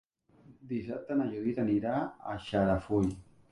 Dissabte na Judit anirà a Xarafull.